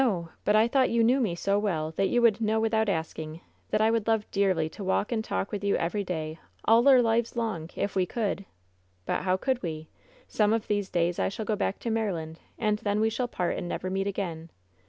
but I thought you knew me so well that you would know without asking that I would love dearly to walk and talk with you every day all our lives long, if we could! But how could we? Some of these days I shall go back to Maryland, and then we shall part and never meet again!